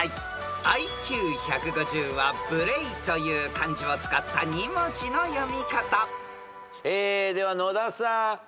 ＩＱ１５０は「無礼」という漢字を使った２文字の読み方］では野田さん。